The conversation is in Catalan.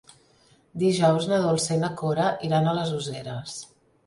Dijous na Dolça i na Cora iran a les Useres.